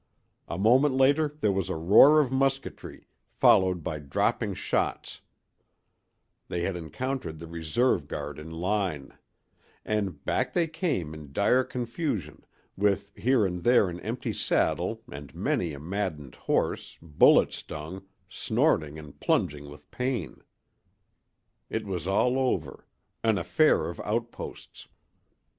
A moment later there was a roar of musketry, followed by dropping shots—they had encountered the reserve guard in line; and back they came in dire confusion, with here and there an empty saddle and many a maddened horse, bullet stung, snorting and plunging with pain. It was all over—"an affair of outposts."